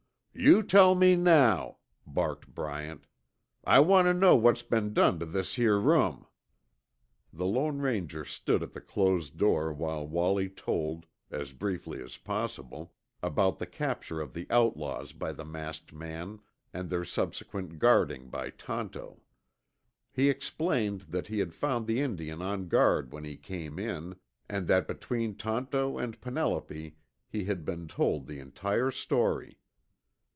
"You'll tell me now," barked Bryant. "I want tuh know what's been done tuh this yere room." The Lone Ranger stood at the closed door while Wallie told, as briefly as possible, about the capture of the outlaws by the masked man and their subsequent guarding by Tonto. He explained that he had found the Indian on guard when he came in, and that between Tonto and Penelope he had been told the entire story.